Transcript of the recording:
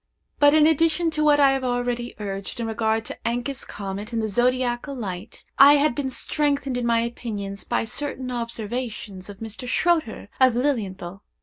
But, in addition to what I have already urged in regard to Encke's comet and the zodiacal light, I had been strengthened in my opinion by certain observations of Mr. Schroeter, of Lilienthal.